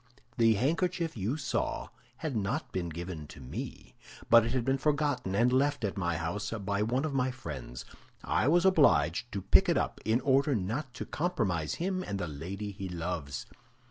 The handkerchief you saw had not been given to me, but it had been forgotten and left at my house by one of my friends. I was obliged to pick it up in order not to compromise him and the lady he loves.